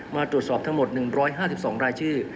มาตรวจสอบทั้งหมด๑๕๒รายชื่อ